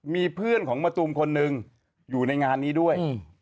มีเพื่อนของมะตูมคนหนึ่งอยู่ในงานนี้ด้วย